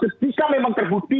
ketika memang terbukti